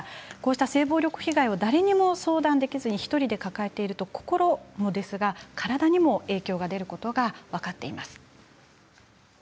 性暴力被害を誰にも相談できずに１人で抱えていると心と体にも影響が出ることが分かっています。